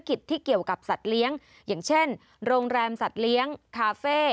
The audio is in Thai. กิจที่เกี่ยวกับสัตว์เลี้ยงอย่างเช่นโรงแรมสัตว์เลี้ยงคาเฟ่